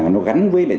nó gắn với